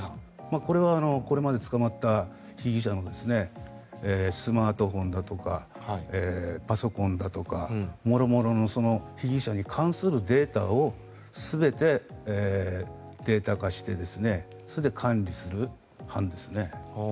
これはこれまで捕まった被疑者のスマートフォンだとかパソコンだとかもろもろの被疑者に関するデータを全てデータ化して管理する班ですね。